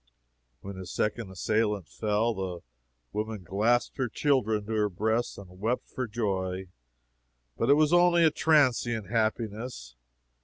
When his second assailant fell, the woman clasped her children to her breast and wept for joy. But it was only a transient happiness.